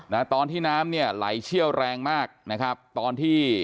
นะตอนที่น้ำเนี่ยไหลเชี่ยวแรงมากนะครับตอนที่